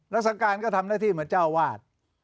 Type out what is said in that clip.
รักษาการก็ทำหน้าที่เหมือนเจ้าวาด